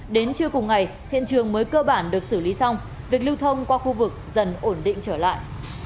đến trưa cùng ngày hiện trường mới cơ bản được xử lý xong việc lưu thông qua khu vực dần ổn định trở lại